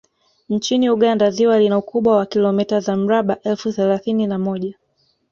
Nchini Uganda ziwa lina ukubwa wa kilomita za mraba elfu thelathini na moja